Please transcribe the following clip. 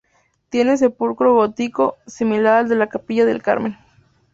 Tiene sepulcro gótico similar al de la Capilla del Carmen.